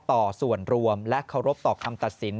ต่อส่วนรวมและเคารพต่อคำตัดสิน